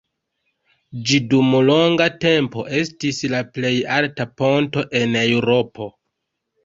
Ĝi dum longa tempo estis la plej alta ponto en Eŭropo.